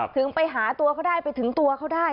ถึงไปหาตัวเขาได้ไปถึงตัวเขาได้